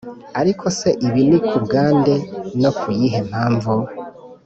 ariko se ibi nikubwande no kuyihe mpamvu?"